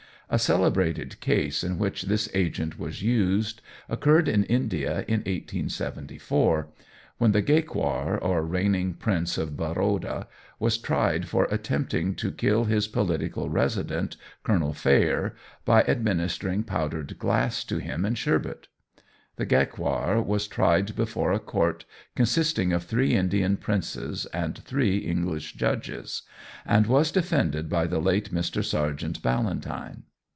A celebrated case in which this agent was used occurred in India in 1874, when the Gaekwar, or reigning prince of Baroda was tried for attempting to kill his political resident, Colonel Phayre, by administering powdered glass to him in sherbet. The Gaekwar was tried before a court consisting of three Indian princes and three English judges, and was defended by the late Mr. Serjeant Ballantine.